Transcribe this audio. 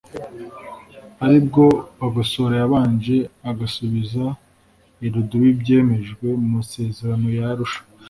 aribwo Bagosora yabanje agasubiza irudubi ibyemejwe mu masezerano ya Arusha